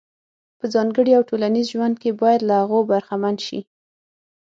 په ځانګړي او ټولنیز ژوند کې باید له هغو برخمن شي.